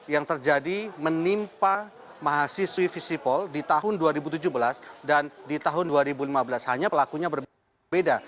yang terjadi menimpa mahasiswi visipol di tahun dua ribu tujuh belas dan di tahun dua ribu lima belas hanya pelakunya berbeda